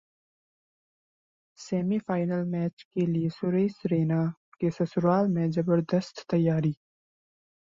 semifinal match के लिए सुरेश रैना के 'ससुराल' में जबरदस्त तैयारी